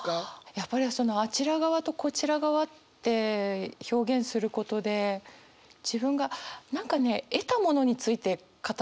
やっぱりその「あちら側」と「こちら側」って表現することで自分が何かね得たものについて語ってない感じがするんですよね。